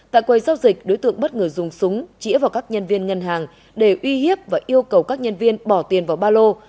tại quầy giao dịch đối tượng bất ngờ dùng súng chỉa vào các nhân viên ngân hàng để uy hiếp và yêu cầu các nhân viên bỏ tiền vào ba lô